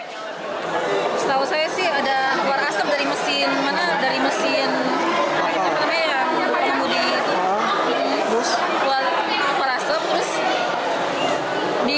setahu saya sih ada keluar asap dari mesin mana dari mesin apa namanya ya